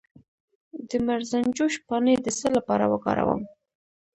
د مرزنجوش پاڼې د څه لپاره وکاروم؟